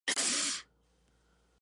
Está mediado por la vía de las caspasas.